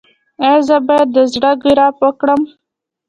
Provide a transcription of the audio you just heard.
ایا زه باید د زړه ګراف وکړم؟